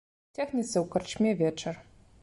Цягнецца ў карчме вечар.